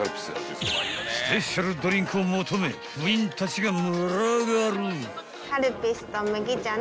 ［スペシャルドリンクを求め部員たちが群がる］